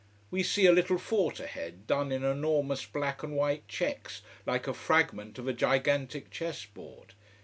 We see a little fort ahead, done in enormous black and white checks, like a fragment of gigantic chess board.